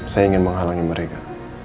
saya ingin menghalangi mereka